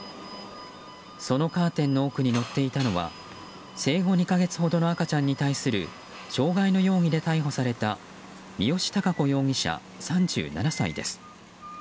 そのカーテンの奥に乗っていたのは生後２か月ほどの赤ちゃんに対する傷害の容疑で逮捕された三好貴子容疑者、３７歳です。